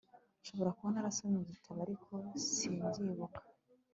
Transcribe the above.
nshobora kuba narasomye igitabo, ariko simbyibuka